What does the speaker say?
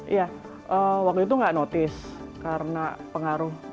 iya waktu itu nggak notice karena pengaruh